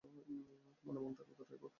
তোমার মনটাকে উদার রেখো।